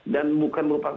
dan bukan merupakan